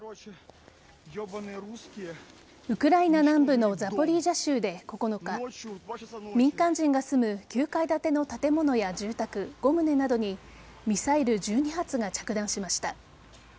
ウクライナ南部のザポリージャ州で９日民間人が住む９階建ての建物や住宅５棟などにミサイル１２発が着弾しました。